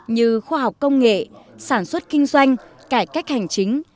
như khoa học công nghệ sản xuất kinh doanh cải cách hành chính